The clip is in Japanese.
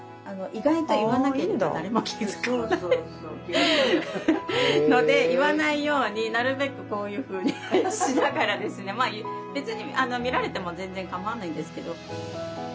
意外と言わなければ誰も気付かないので言わないようになるべくこういうふうにしながらですねまあ別に見られても全然かまわないんですけど。